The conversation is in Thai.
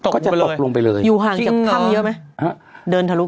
ก็จะตกลงไปเลยอยู่ห่างจากถ้ำเยอะไหม